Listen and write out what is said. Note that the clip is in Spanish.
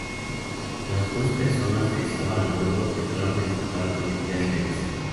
Las dos personas que estaban a bordo lograron escapar con heridas leves.